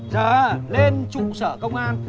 giờ lên trụ sở công an